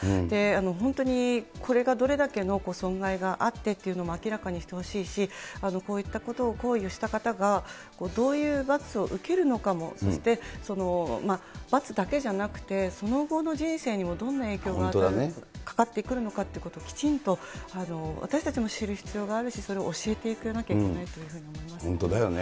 本当にこれがどれだけの損害があってっていうのも明らかにしてほしいし、こういったことを行為をした方が、どういう罰を受けるのかも、そして、罰だけじゃなくて、その後の人生にもどんな影響がかかってくるのかっていうこともきちんと私たちも知る必要があるし、それを教えていかなきゃいけない本当だよね。